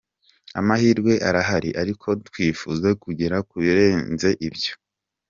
Amahirwe arahari ariko twifuza kugera ku birenze ibyo.